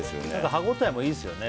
歯応えもいいですよね。